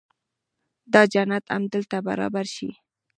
دا جنت همدلته برابر شي.